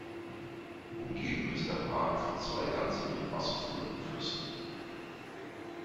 Umgeben ist der Park von zwei ganzjährig wasserführenden Flüssen.